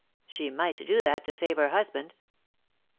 "She might do that to save her husband."